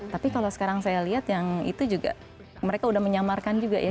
tapi kalau sekarang saya lihat yang itu juga mereka udah menyamarkan juga ya